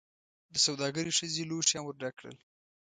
دسوداګرې ښځې لوښي هم ورډک کړل.